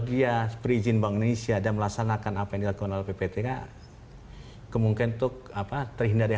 dia berizin bangun isya dan melaksanakan apa yang dilakukan oleh ppt ke mungkin untuk apa terhindari